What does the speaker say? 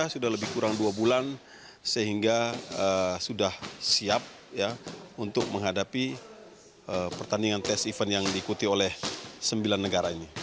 sudah lebih kurang dua bulan sehingga sudah siap untuk menghadapi pertandingan tes event yang diikuti oleh sembilan negara ini